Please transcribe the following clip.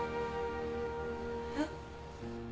えっ？